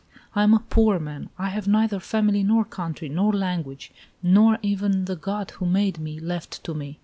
I am a poor man. I have neither family, nor country, nor language, nor even the God who made me left to me.